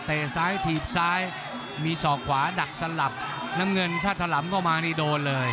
ซ้ายถีบซ้ายมีศอกขวาดักสลับน้ำเงินถ้าถล่ำเข้ามานี่โดนเลย